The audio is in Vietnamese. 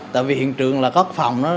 tại vì hiện trường là các phòng nó bố trí